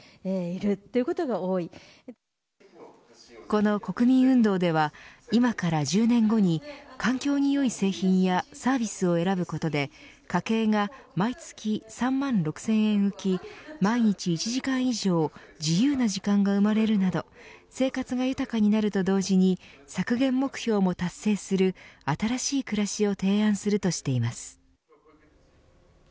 この国民運動では今から１０年後に環境によい製品やサービスを選ぶことで家計が毎月３万６０００円浮き毎日１時間以上自由な時間が生まれるなど生活が豊かになると同時に削減目標も達成する新しい暮らしを提案するとしています。